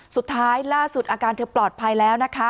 สุดท้ายล่าสุดอาการเธอปลอดภัยแล้วนะคะ